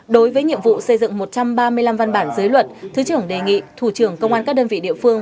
đối với nhiệm vụ xây dựng một trăm ba mươi năm văn bản giới luật thứ trưởng đề nghị thủ trưởng công an các đơn vị địa phương